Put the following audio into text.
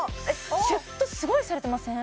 シュッとすごいされてません？